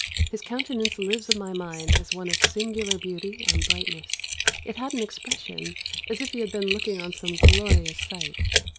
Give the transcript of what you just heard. His countenance lives in my mind as one of singular beauty and brightness, it had an expression as if he had been looking on some glorious sight.